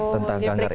tentang ganggar ini